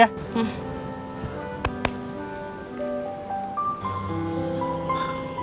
aku mau ke rumah